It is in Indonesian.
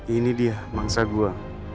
ini dia mangsa gue